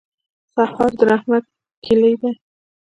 سهار د رحمت کلي ده.